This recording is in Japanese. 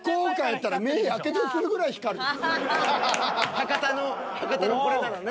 博多の博多のこれならね。